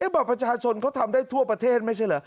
บัตรประชาชนเขาทำได้ทั่วประเทศไม่ใช่เหรอ